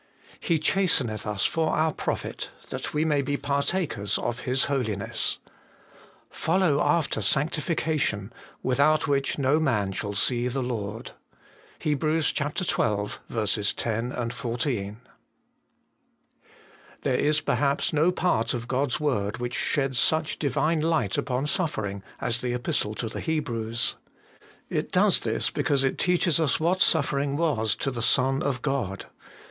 ' He chasteneth us for our profit, that we may be partakers of His holiness. Follow after sanctif 'cation, without which no man shall see the Lord.' HEB. xii. 10, 14. THERE is perhaps no part of God's word which sheds such Divine light upon suffering as the Epistle to the Hebrews. It does this because it teaches us what suffering was to the Son of God.